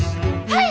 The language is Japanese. はい！